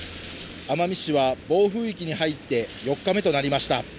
奄美市は暴風域に入って４日目となりました。